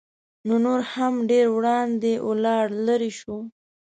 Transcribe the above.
نو نور هم ډېر وړاندې ولاړ لېرې شو.